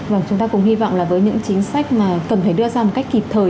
vâng chúng ta cùng hy vọng là với những chính sách mà cần phải đưa ra một cách kịp thời